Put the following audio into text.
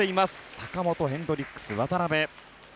坂本、ヘンドリックス、渡辺。